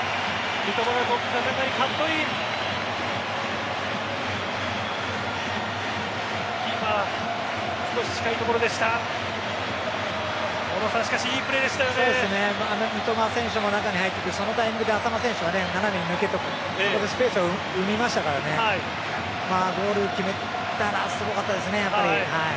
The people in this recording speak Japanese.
三笘選手も中に入ってきてそのタイミングで浅野選手が斜めに抜けてそこでスペースを生みましたからゴール決めたらすごかったですね。